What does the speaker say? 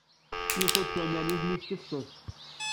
Yufa-d tanarit-nni s tefses.